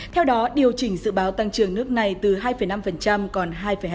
theo đó điều chỉnh dự báo tăng trưởng nước này từ hai năm còn hai hai